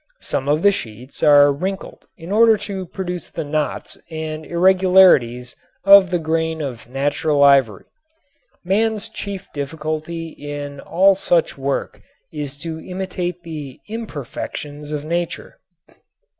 Some of the sheets are wrinkled in order to produce the knots and irregularities of the grain of natural ivory. Man's chief difficulty in all such work is to imitate the imperfections of nature.